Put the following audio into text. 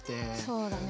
そうだね。